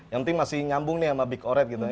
yang penting masih nyambung nih sama big oret gitu ya